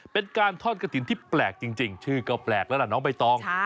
เป็นการทอดกระถิ่นที่แปลกจริงชื่อก็แปลกแล้วล่ะน้องใบตอง